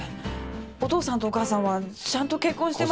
お父さんとお母さんはちゃんと結婚してます。